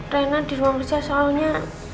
rena di ruang kerja soalnya